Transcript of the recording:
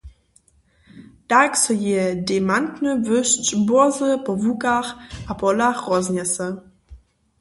Tak so jeje dejmantny błyšć bórze po łukach a polach roznjese.